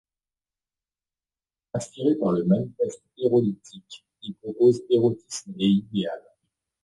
Inspirée par le manifeste Erolithique, elle propose érotisme et idéal.